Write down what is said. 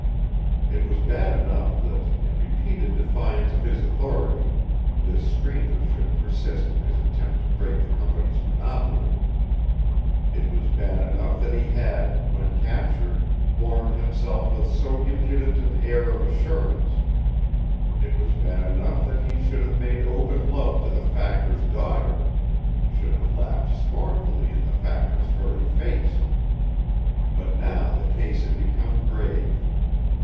It was bad enough that, in repeated defiance of his authority, this stranger should persist in his attempt to break the Company's monopoly; it was bad enough that he had, when captured, borne himself with so impudent an air of assurance; it was bad enough that he should have made open love to the Factor's daughter, should have laughed scornfully in the Factor's very face. But now the case had become grave.